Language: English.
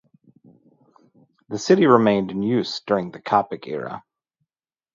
The city remained in use during the Coptic era.